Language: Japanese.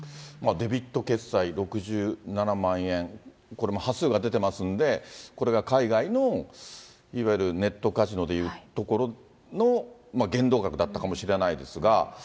デビット決済、６７万円、これも端数が出てますんで、これが海外のいわゆるネットカジノでいうところの限度額だったかもしれないですが。